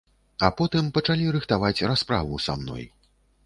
А потым пачалі рыхтаваць расправу са мной.